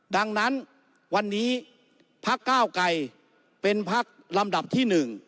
ดังนั้นวันนี้พักก้าวไกรเป็นพักลำดับที่๑